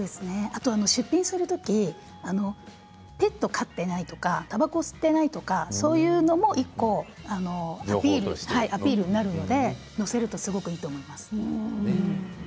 出品するときペットを飼っていないとかたばこを吸っていないとかそういうのも１個アピールになるので載せるとすごくいいと思います。